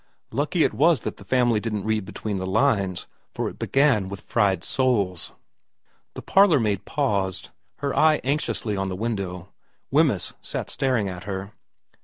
Lucky it was that the family didn't read between the lines, for it began with fried soles The parlourmaid paused, her eye anxiously on the window. Wemyss sat staring at her.